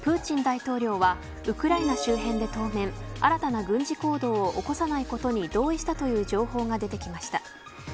ロシアのプーチン大統領はウクライナ周辺で当面新たな軍事行動を起こさないことに同意したという情報が出てきました。